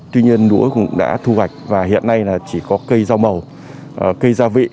tuy nhiên núa cũng đã thu gạch và hiện nay chỉ có cây rau màu cây gia vị